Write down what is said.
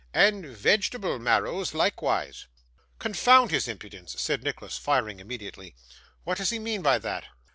And vegetable marrows likewise.' 'Confound his impudence!' said Nicholas, firing immediately. 'What does he mean by that?